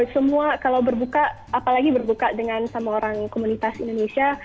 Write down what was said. semua kalau berbuka apalagi berbuka dengan sama orang komunitas indonesia